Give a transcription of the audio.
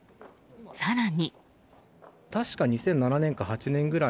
更に。